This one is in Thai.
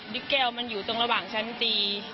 เกลมันอยู่ตรงระหว่างชั้นตี